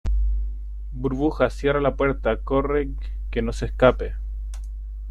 burbuja, cierra la puerta. corre . que no se escape .